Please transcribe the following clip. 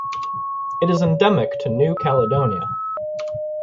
It is endemic to New Caledonia.